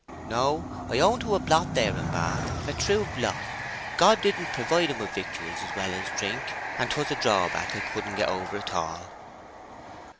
"No—I own to a blot there in Bath—a true blot. God didn't provide 'em with victuals as well as drink, and 'twas a drawback I couldn't get over at all."